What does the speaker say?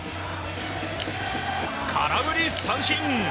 空振り三振！